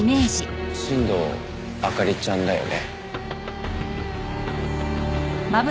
新堂明里ちゃんだよね？